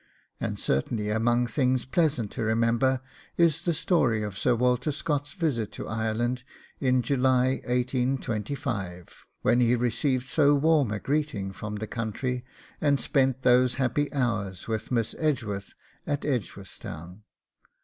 And certainly among things pleasant to remember is the story of Sir Walter Scott's visit to Ireland in July 1825, when he received so warm a greeting from the country and spent those happy hours with Miss Edgeworth at Edgeworthstown.